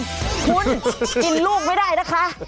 คุณกินลูกไม่ได้นะคะ